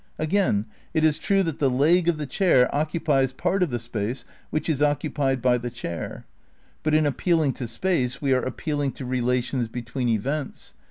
Again, it is true that the leg of the chair occupies part of the space which is occu pied by the chair. But in appealing to space we are appealing to relations between events.